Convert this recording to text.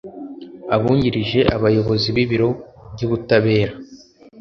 abungirije abayobozi b’ibiro by’ubutabera